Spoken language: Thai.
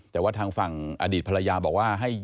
แต่ว่าทางฟังอดิษฐฤพลระยาบอกว่า